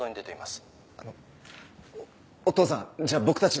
あのお義父さんじゃあ僕たち